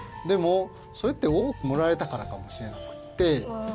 でもそれっておおくもられたからかもしれなくって。